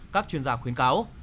các chuyên gia khuyến cáo